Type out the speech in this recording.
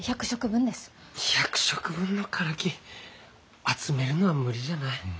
１００食分のカラキ集めるのは無理じゃない？